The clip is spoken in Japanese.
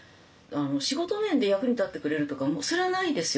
仕事面で役に立ってくれるとかそれはないですよ